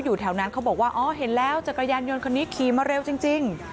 อยู่แถวนั้นเขาบอกว่าอ๋อเห็นแล้วจักรยานยนต์คนนี้ขี่มาเร็วจริง